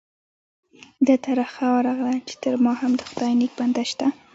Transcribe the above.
ده ته رخه ورغله چې تر ما هم د خدای نیک بنده شته.